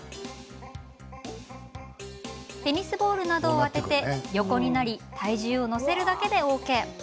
テニスボールなどを当てて横になり体重を乗せるだけでＯＫ。